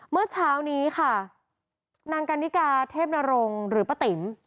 เมื่อเช้านี้ค่ะนางกันนิกาเทพนรงค์หรือป้าติ๋ม